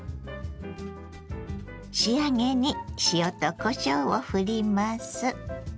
仕上げに塩とこしょうをふります。